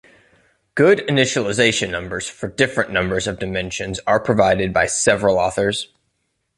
Good initialisation numbers for different numbers of dimensions are provided by several authors.